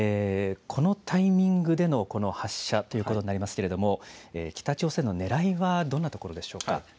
このタイミングでのこの発射ということになりますけれども、北朝鮮のねらいはどんなところでしょ